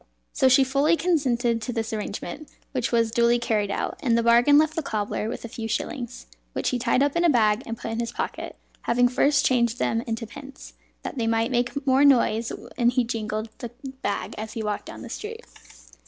So she fully consented to this arrangement, which was duly carried out; and the bargain left the cobbler with a few shillings, which he tied up in a bag and put in his pocket, having first changed them into pence, that they might make more noise when he jingled the bag as he walked down the street.